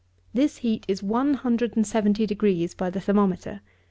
This heat is one hundred and seventy degrees by the thermometer.